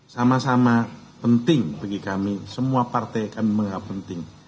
sama sama penting bagi kami semua partai kami menganggap penting